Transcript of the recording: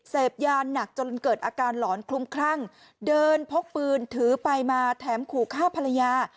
เสพยาหนักจนเกิดอาการหลอนคลุ้มคลั่งเดินพกปืนถือไปมาแถมขู่ฆ่าภรรยา